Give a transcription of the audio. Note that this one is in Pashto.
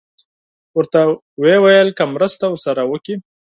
ورته یې وویل که مرسته ورسره وکړي.